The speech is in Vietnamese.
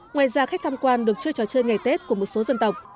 ngoài ra khách tham quan được chơi trò chơi ngày tết của một số dân tộc